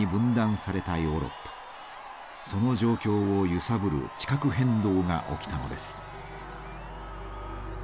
その状況を揺さぶる地殻変動が起きたのです。